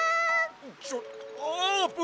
ちょあーぷん！